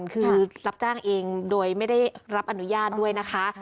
คือรับจ้างเองโดยไม่ได้รับอนุญาตด้วยนะคะ